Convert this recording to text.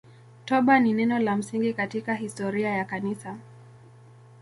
Toba ni neno la msingi katika historia ya Kanisa.